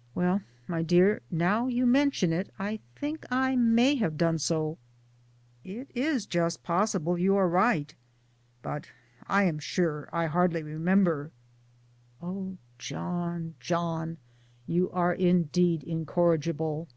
"" Well, my dear, now you mention it I think I may have done so ; it is just possible ypu arq right, but I am sure I hardly, remember." PERSONALITIES 3 29 "Oh JohnM John'! you are indeed 1 incorrigible."